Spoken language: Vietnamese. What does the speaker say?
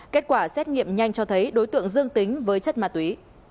kết quả xét nghiệm nhanh cho thấy đối tượng dương tính với chất ma túy